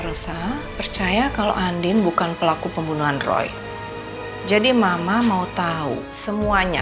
rusa percaya kalau andin bukan pelaku pembunuhan roy jadi mama mau tahu semuanya